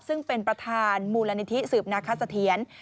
ซึ่งเป็นประธานมูลนิธิสืบนาคสะเทียน